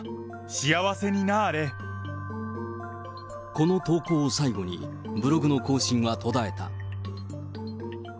この投稿を最後に、ブログの更新は途絶えた。